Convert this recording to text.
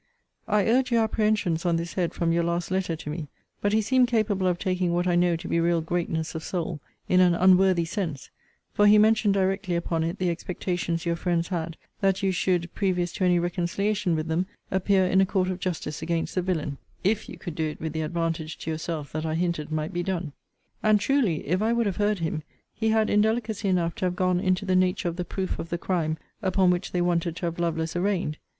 I urged your apprehensions on this head from your last letter to me: but he seemed capable of taking what I know to be real greatness of soul, in an unworthy sense: for he mentioned directly upon it the expectations your friends had, that you should (previous to any reconciliation with them) appear in a court of justice against the villain IF you could do it with the advantage to yourself that I hinted might be done. And truly, if I would have heard him, he had indelicacy enough to have gone into the nature of the proof of the crime upon which they wanted to have Lovelace arraigned.